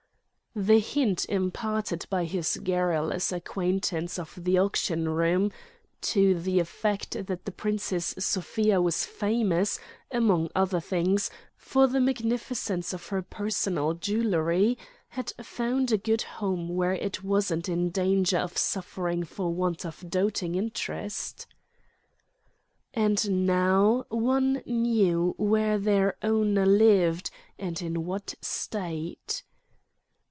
The hint imparted by his garrulous acquaintance of the auction room—to the effect that the Princess Sofia was famous, among other things, for the magnificence of her personal jewellery—had found a good home where it wasn't in danger of suffering for want of doting interest. And now one knew where their owner lived, and in what state